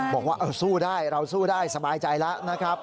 บอกว่าสู้ได้เราสู้ได้สบายใจแล้วนะครับ